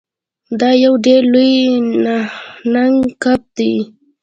دا یو ډیر لوی نهنګ کب دی.